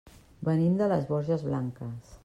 Venim de les Borges Blanques.